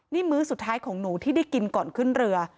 นี่มื้อสุดท้ายของหนูที่ได้กินก่อนขึ้นเรือ